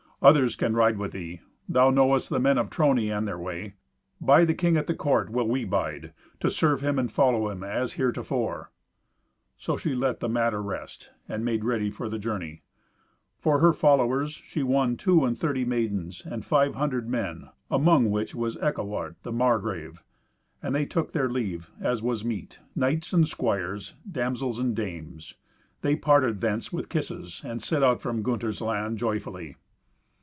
Others can ride with thee. Thou knowest the men of Trony and their way. By the king at the court will we bide, to serve him and follow him as heretofore." So she let the matter rest, and made ready for the journey; for her followers she won two and thirty maidens and five hundred men, among the which was Eckewart the Margrave. And they took their leave, as was meet: knights and squires, damsels and dames. They parted thence with kisses, and set out from Gunther's land joyfully.